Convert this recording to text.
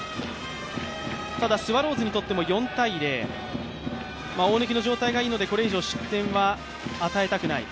ただスワローズにとっても４−０、大貫の状態がいいのでこれ以上失点は与えたくない。